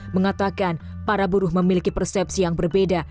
mengatakan para buruh memiliki persepsi yang berbeda